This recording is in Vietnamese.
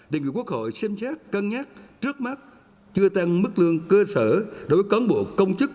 đề nghị quốc hội xem xét cân nhắc trước mắt chưa tăng mức lương cơ sở đối với cán bộ công chức